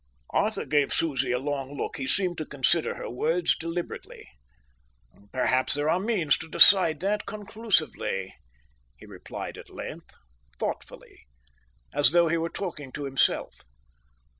Arthur gave Susie a long look. He seemed to consider her words deliberately. "Perhaps there are means to decide that conclusively," he replied at length, thoughtfully, as though he were talking to himself.